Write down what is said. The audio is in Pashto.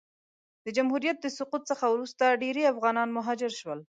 د جمهوریت د سقوط څخه وروسته ډېری افغانان مهاجر سول.